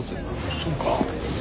そうか。